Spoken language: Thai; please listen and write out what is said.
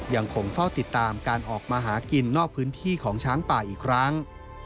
ยังคงเฝ้าติดตามการออกมาหากินนอกพื้นที่ของช้างป่าอีกครั้ง